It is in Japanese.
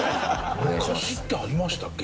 昔ってありましたっけ？